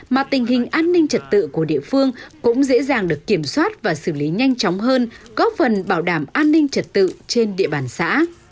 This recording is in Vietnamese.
mà tình hình an ninh trật tự của địa phương cũng dễ dàng được kiểm soát và xử lý nhanh chóng hơn góp phần bảo đảm an ninh trật tự trên địa bàn xã